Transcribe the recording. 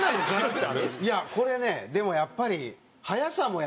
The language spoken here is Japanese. いやこれねでもやっぱり。